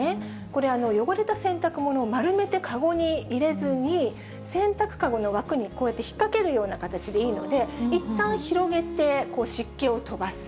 これ、汚れた洗濯物を丸めて籠に入れずに、洗濯籠の枠に、こうやって引っ掛けるような形でいいので、いったん広げて、湿気を飛ばす。